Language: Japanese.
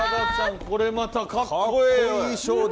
これまたかっこええな。